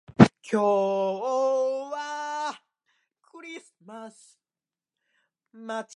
明日からが憂鬱だ。